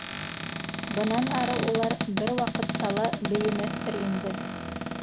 Бынан ары улар бер ваҡытта ла бейемәҫтер инде.